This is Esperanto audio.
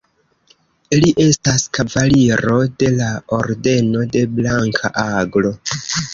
Li estas Kavaliro de la Ordeno de Blanka Aglo.